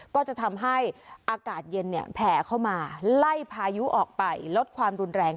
ก็จะทำให้อากาศเย็นแผ่เข้ามาไล่พายุออกไปลดความรุนแรง